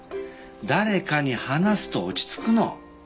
誰かに話すと落ち着くの。